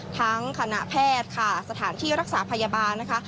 คณะแพทย์ค่ะสถานที่รักษาพยาบาลนะคะ